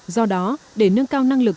do đó để nâng cao năng lực